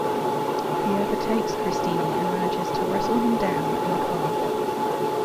He overtakes Christini and manages to wrestle him down in the car.